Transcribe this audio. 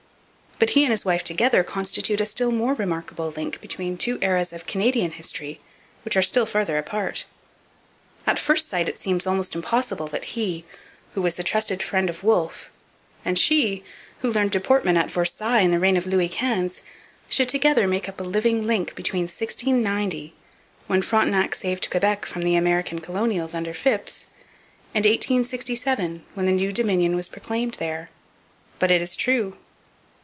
But he and his wife together constitute a still more remarkable link between two eras of Canadian history which are still farther apart. At first sight it seems almost impossible that he, who was the trusted friend o Wolfe, and she, who learned deportment at Versailles in the reign of Louis Quinze, should together make up a living link between 1690, when Frontenac saved Quebec from the American Colonials under Phips, and 1867, when the new Dominion was proclaimed there. But it is true.